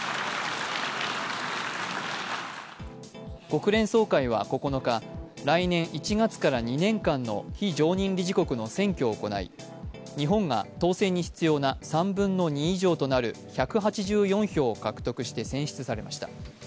国連総会は９日来年１月から２年間の非常任理事国の選挙を行い日本が当選に必要な３分の２以上となる１８４票を獲得して選出されました。